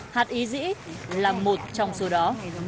hạt y dĩ là một trong số đó